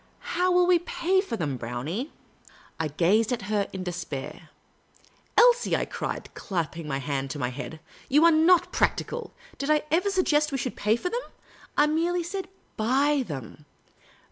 " How can we pay for them, Brownie ?" I gazed at her in despair. " Elsie," I cried, clapping my hand to my head, " you are not practical. Did I ever sug gest we should pay for them ? I said merely, buy them.